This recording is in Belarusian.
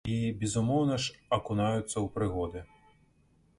І, безумоўна ж, акунаюцца ў прыгоды.